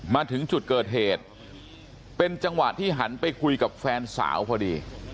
มาถึงจุดเกิดเหตุเป็นจังหวะที่หันไปคุยกับแฟนสาวพอดี